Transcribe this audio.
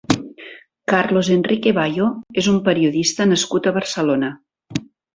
Carlos Enrique Bayo és un periodista nascut a Barcelona.